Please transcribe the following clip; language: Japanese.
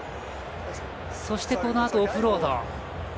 そして、そのあとオフロード。